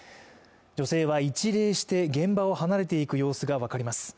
女性は一礼して、現場を離れていく様子が分かります。